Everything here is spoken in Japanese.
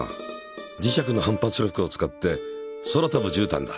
磁石の反発力を使って空飛ぶじゅうたんだ。